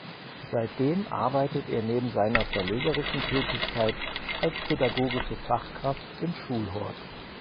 Seitdem arbeitet er neben seiner verlegerischen Tätigkeit als pädagogische Fachkraft im Schulhort.